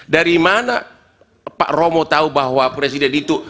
dari mana pak romo tahu bahwa presiden itu